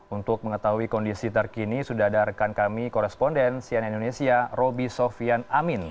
untuk mengetahui kondisi terkini sudah ada rekan kami koresponden sian indonesia roby sofian amin